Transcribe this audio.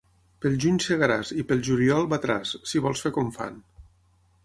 Pel juny segaràs i pel juliol batràs, si vols fer com fan.